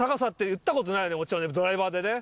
ドライバーでね。